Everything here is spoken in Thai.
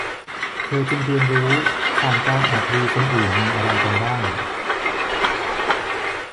เธอจึงเรียนรู้ผ่านการแอบดูคนอื่นมีอะไรกันบ้าง